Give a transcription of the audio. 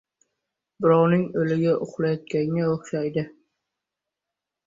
• Birovning o‘ligi uxlayotganga o‘xshaydi.